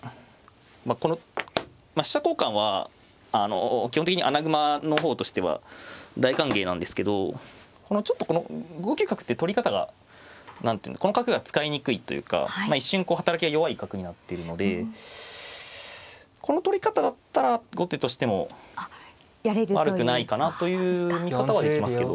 まあこの飛車交換は基本的に穴熊の方としては大歓迎なんですけどちょっとこの５九角っていう取り方がこの角が使いにくいというか一瞬こう働きが弱い角になっているのでこの取り方だったら後手としても悪くないかなという見方はできますけど。